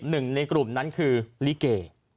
หนึ่งในกลุ่มนั้นคือลิเก